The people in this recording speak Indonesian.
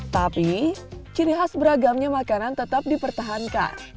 tapi ciri khas beragamnya makanan tetap dipertahankan